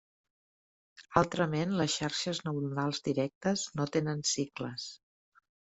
Altrament les xarxes neuronals directes no tenen cicles.